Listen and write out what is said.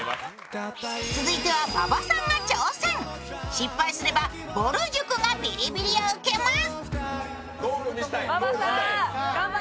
失敗すればぼる塾がビリビリを受けます。